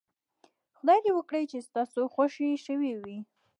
خدای دې وکړي چې ستاسو خوښې شوې وي.